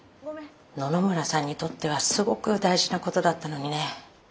野々村さんにとってはすごく大事なことだったのにね。